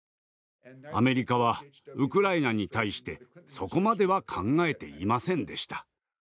アメリカはウクライナに対してそこまでは考えていませんでした。